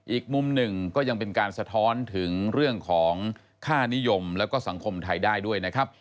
อีกมุมหนึ่งก็ยังเป็นการสะท้อนถึงเรื่องของค่านิยมแล้วก็สังคมไทยได้ด้วยนะครับ